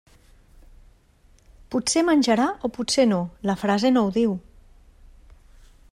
Potser menjarà o potser no, la frase no ho diu.